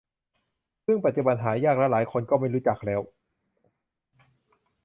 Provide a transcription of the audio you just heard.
ซึ่งปัจจุบันหายากและหลายคนก็ไม่รู้จักแล้ว